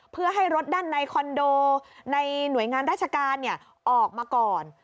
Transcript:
เพื่อให้รถด้านในคอนโดในหน่วยงานราชการออกมาก่อน